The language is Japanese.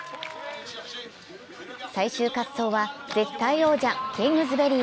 最終滑走は絶対王者・キングズベリー。